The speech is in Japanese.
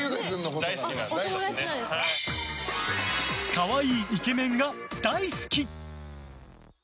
可愛いイケメンが大好き！